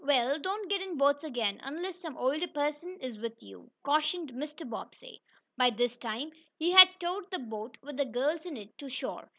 "Well, don't get in boats again, unless some older person is with you," cautioned Mr. Bobbsey. By this time he had towed the boat, with the girls in it, to shore.